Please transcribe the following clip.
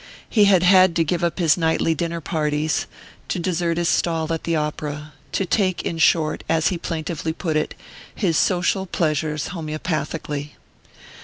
He had had to give up his nightly dinner parties, to desert his stall at the Opera: to take, in short, as he plaintively put it, his social pleasures homœopathically.